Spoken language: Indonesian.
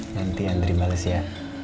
nanti andri bales ya